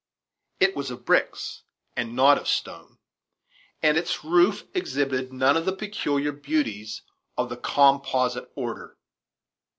It was of bricks, and not of stone; and its roof exhibited none of the peculiar beauties of the "composite order."